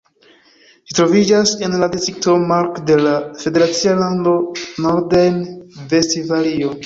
Ĝi troviĝas en la distrikto Mark de la federacia lando Nordrejn-Vestfalio.